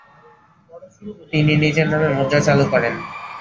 তিনি নিজের নামে মুদ্রা চালু করেন।